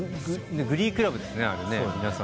グリークラブですね？